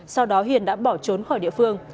sau đó hiền đã bỏ trốn khỏi địa phương